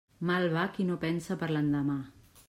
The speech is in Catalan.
Mal va qui no pensa per l'endemà.